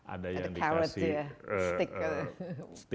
ada yang dikasih